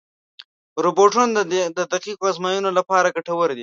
روبوټونه د دقیقو ازموینو لپاره ګټور دي.